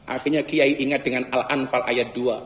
akhirnya kiai ingat dengan al anfal ayat dua